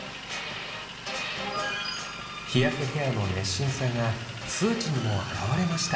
日焼けケアの熱心さが数値にも表れました。